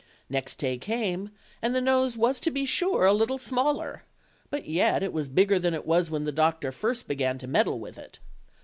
Next day came, and the nose was to be sure a little smaller, but yet it was bigger than it was when the doctor first began to meddle with it.